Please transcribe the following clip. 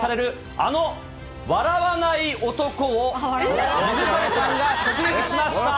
あの笑わない男を、水谷さんが直撃しました。